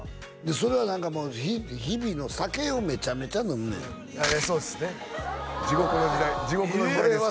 それは何かもう日々の酒をめちゃめちゃ飲むねんそうですね地獄の時代地獄の時代です